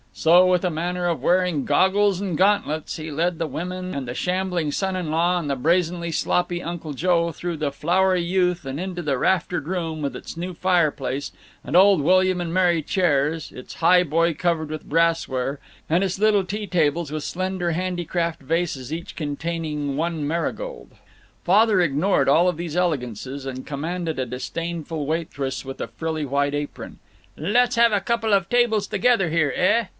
So, with a manner of wearing goggles and gauntlets, he led the women and the shambling son in law and the brazenly sloppy Uncle Joe through the flowery youth and into the raftered room, with its new fireplace and old William and Mary chairs, its highboy covered with brassware, and its little tea tables with slender handicraft vases each containing one marigold. Father ignored all these elegances and commanded a disdainful waitress with a frilly white apron, "Let's have a couple of tables together here, eh?"